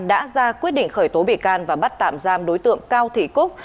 đã ra quyết định khởi tố bị can và bắt tạm giam đối tượng cao thị cúc